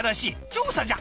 調査じゃ！